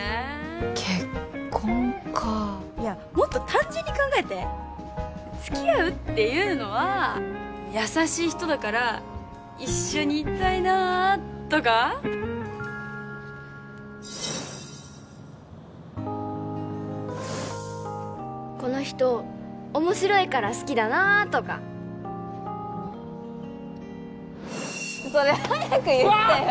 結婚かいやもっと単純に考えて付き合うっていうのは優しい人だから一緒にいたいなとかこの人面白いから好きだなとかそれ早く言ってよ